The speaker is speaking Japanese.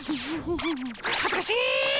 はずかしっ！